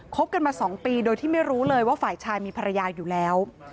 บกันมา๒ปีโดยที่ไม่รู้เลยว่าฝ่ายชายมีภรรยาอยู่แล้ว